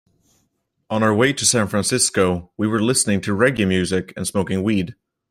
On our way to San Francisco, we were listening to reggae music and smoking weed.